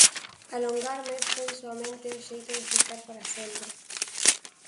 Alongarme foi soamente o xeito de ficar para sempre.